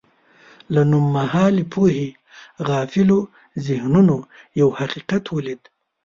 له نومهالې پوهې غافلو ذهنونو یو حقیقت ولید.